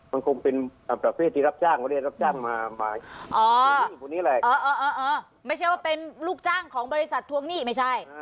มันคงเป็นประเภทที่รับจ้างประเทศรับจ้างมาไม่ใช่ว่าเป็นลูกจ้างของบริษัททวงหนี้ไม่ใช่